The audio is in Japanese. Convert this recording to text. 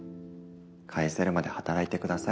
返せるまで働いてください。